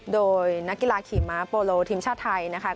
โดยนักกีฬาขี่ม้าโปโลทีมชาติไทยนะคะ